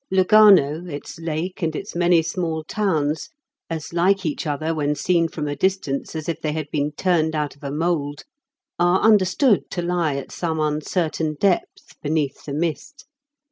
Lugano, its lake, and its many small towns as like each other when seen from a distance as if they had been turned out of a mould are understood to lie at some uncertain depth beneath the mist.